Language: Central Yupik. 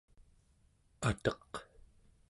ateq